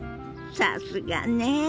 さすがね！